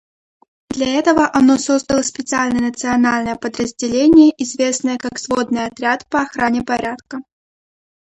Для этого оно создало специальное национальное подразделение, известное как «Сводный отряд по охране порядка».